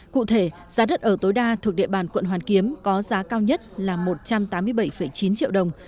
cụ thể giá đất ở tối đa thuộc địa bàn quận hoàn kiếm có giá cao nhất là một trăm tám mươi bảy chín triệu đồng